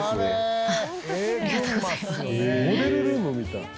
モデルルームみたい。